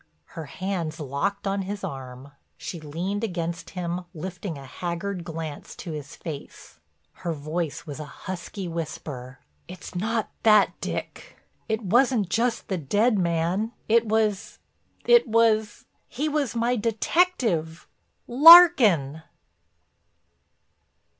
Her hands locked on his arm; she leaned against him lifting a haggard glance to his face. Her voice was a husky whisper: "It's not that, Dick. It wasn't just the dead man. It was—it was—he was my detective—Larkin!"